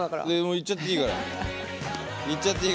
いっちゃっていいから。